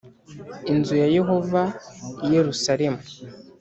inzu ya Yehova i Yerusalemu